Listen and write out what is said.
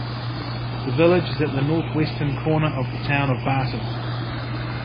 The village is at the northwestern corner of the town of Barton.